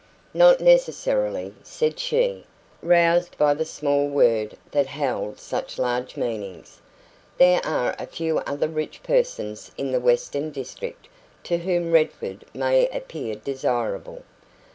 "Not necessarily," said she, roused by the small word that held such large meanings. "There are a few other rich persons in the western district, to whom Redford may appear desirable."